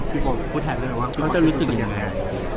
พี่พอรู้สึกยังไง